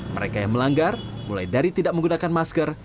mereka yang melanggar mulai dari tidak menggunakan masker